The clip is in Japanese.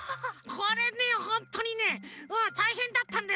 これねホントにねたいへんだったんだよね。